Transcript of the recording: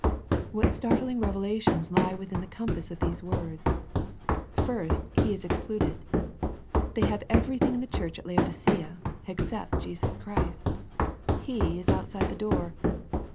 What startling revelations lie within the compass of these words. First, He is excluded. They have everything in the church at Laodicea except Jesus Christ. He is outside the door.